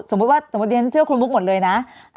สมมุติว่าเรียนเชื่อคุณมุกหมดเลยนะ